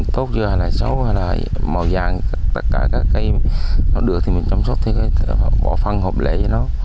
tốt chứ hay là xấu hay là màu vàng tất cả các cây nó được thì mình chăm sóc bỏ phân hợp lệ cho nó